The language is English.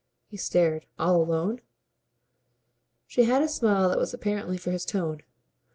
He stared. "All alone?" She had a smile that was apparently for his tone.